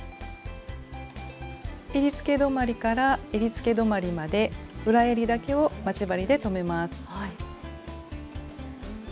えりつけ止まりからえりつけ止まりまで裏えりだけを待ち針で留めます。